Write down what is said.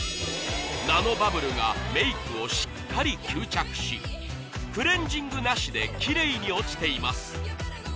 ナノバブルがメイクをしっかり吸着しクレンジングなしでキレイに落ちています